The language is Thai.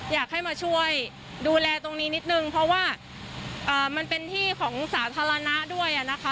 อยากให้มาช่วยดูแลตรงนี้นิดนึงเพราะว่ามันเป็นที่ของสาธารณะด้วยนะคะ